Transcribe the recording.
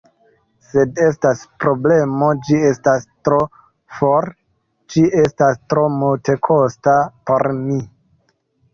Sed estas problemo: ĝi estas tro for, ĝi estas tro multekosta por mi.